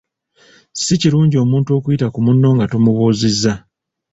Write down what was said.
Si kirungi omuntu okuyita ku munno nga tomubuuzizza.